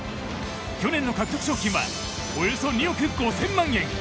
去年の獲得賞金はおよそ２億５０００万円。